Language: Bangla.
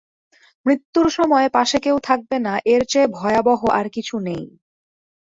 মৃত্যুর সময় পাশে কেউ থাকবে না, এর চেয়ে ভয়াবহ আর কিছু নেই।